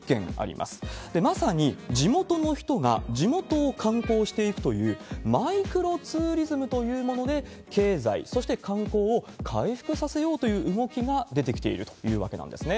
まさに地元の人が地元を観光していくという、マイクロツーリズムというもので経済、そして観光を回復させようという動きが出てきているというわけなんですね。